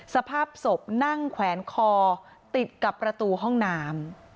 สภาพศพนั่งแขวนคอติดกับประตูห้องน้ำ